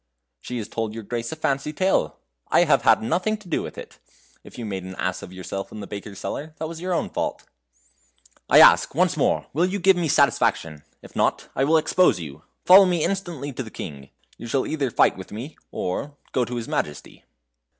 "She has told your grace a fancy tale I have had nothing to do with it; if you made an ass of yourself in the baker's cellar, that was your own fault." "I ask, once more, will you give me satisfaction? If not, I will expose you. Follow me instantly to the King. You shall either fight with me, or go to his Majesty."